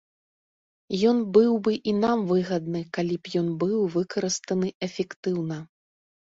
Ён быў бы і нам выгадны, калі б ён быў выкарыстаны эфектыўна.